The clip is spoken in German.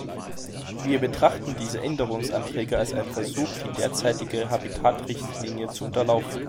Wir betrachten diese Änderungsanträge als einen Versuch, die derzeitige Habitat-Richtlinie zu unterlaufen.